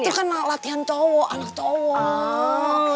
itu kan latihan cowok anak cowok